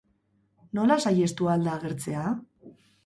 Nola saihestu ahal da agertzea?